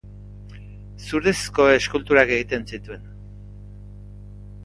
Zurezko eskulturak egiten zituen.